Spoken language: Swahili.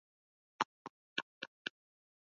redio inatakiwa kuwa na mipangilio ya msingi